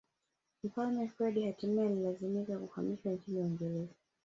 Mfalme Freddie hatimae alilazimika kuhamishwa nchini Uingereza